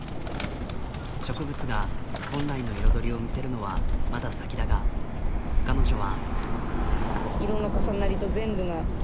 植物が本来の彩りを見せるのはまだ先だが彼女は。